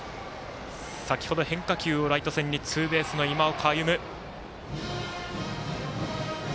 先ほど、変化球をライト線にツーベースの今岡歩夢。